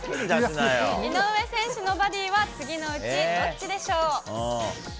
井上選手のバディは次のうちどっちでしょう。